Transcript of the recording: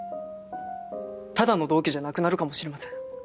ただの同期じゃなくなるかもしれません。